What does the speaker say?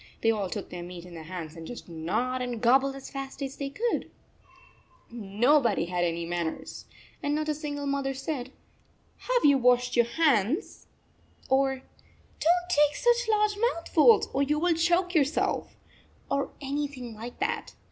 They all took their meat in their hands and just gnawed and gobbled as fast as they could ! Nobody had any manners, and not a single mother said, " Have you washed your hands?" or " Don t take such large mouthfuls or you will choke yourself," or anything like that.